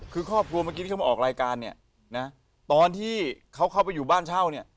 คือครอบครัวเมื่อกี้ที่เขามาออกรายการเนี่ยนะตอนที่เขาเข้าไปอยู่บ้านเช่าเนี่ย